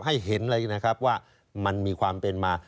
ให้เห็นเลยนะครับว่ามันมีความเป็นมา